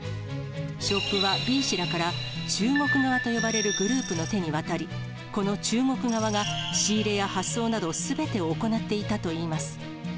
ショップはＢ氏らから中国側と呼ばれるグループの手に渡り、この中国側が仕入れや発送など、すべてを行っていたといいます。